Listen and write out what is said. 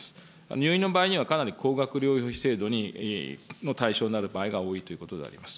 入院の場合には、かなり高額療養費制度の対象になる場合が多いということであります。